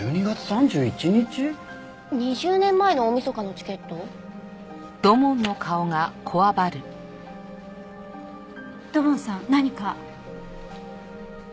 ２０年前の大みそかのチケット？土門さん何か？